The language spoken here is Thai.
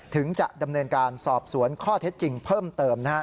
ถึงจะดำเนินการสอบสวนข้อเท็จจริงเพิ่มเติมนะฮะ